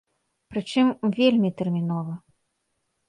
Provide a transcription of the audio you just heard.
Пры чым, вельмі тэрмінова.